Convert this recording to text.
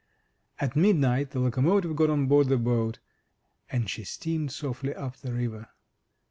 At midnight the locomotive got on board the boat, and she steamed softly up the river.